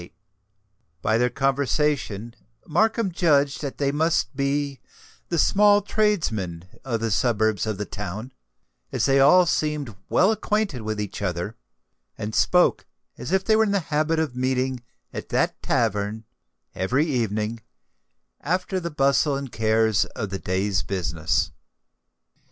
By their conversation Markham judged that they must be the small tradesmen of the suburbs of the town, as they all seemed well acquainted with each other, and spoke as if they were in the habit of meeting at that tavern every evening after the bustle and cares of the day's business.